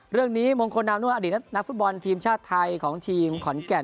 เรื่องนี้มงคลนามนวลอดีตนักฟุตบอลทีมชาติไทยของทีมขอนแก่น